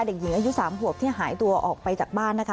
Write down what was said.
เด็กหญิงอายุ๓ขวบที่หายตัวออกไปจากบ้านนะคะ